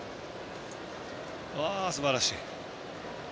すばらしい。